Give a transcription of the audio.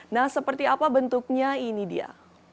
nah seperti apa bentuknya ini dia